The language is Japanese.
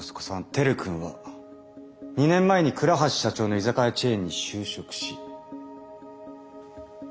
輝君は２年前に倉橋社長の居酒屋チェーンに就職し。